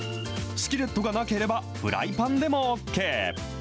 スキレットがなければフライパンでもＯＫ。